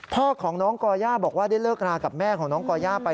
พ่อของน้องก่อย่าบอกว่าได้เลิกรากับแม่ของน้องก่อย่าไป